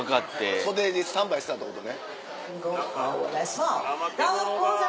袖でスタンバイしてたってことね。